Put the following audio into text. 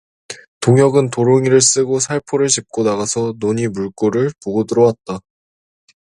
동혁은 도롱이를 쓰고 살포를 짚고 나가서 논의 물꼬를 보고 들어왔다.